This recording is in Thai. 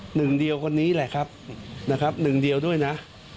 หนึ่งเดียวคนนี้แหละครับนะครับหนึ่งเดียวด้วยนะ